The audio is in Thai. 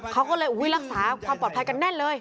เขาก็เลยรักษาความปลอดภัยกันแน่นเลย